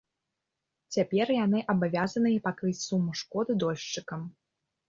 Цяпер яны абавязаныя пакрыць суму шкоды дольшчыкам.